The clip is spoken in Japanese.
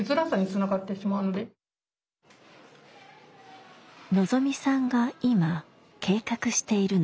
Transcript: のぞみさんが今計画しているのはクリスマス会。